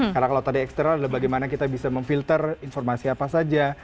karena kalau tadi eksternal adalah bagaimana kita bisa memfilter informasi apa saja